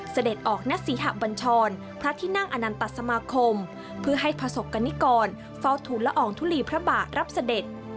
เสด็จออกณศรีหะบัญชรพระที่นั่งอนันตสมาคมเพื่อให้ประสบกรณิกรเฝ้าทุนละอองทุลีพระบาทรับเสด็จ